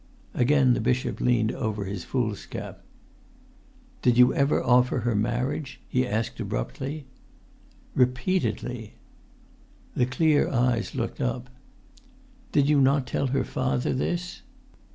Again the bishop leant over his foolscap. [Pg 71]"Did you ever offer her marriage?" he asked abruptly. "Repeatedly!" The clear eyes looked up. "Did you not tell her father this?"